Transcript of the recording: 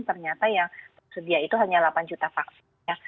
ternyata yang tersedia itu hanya delapan juta vaksin